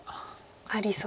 ありそうな。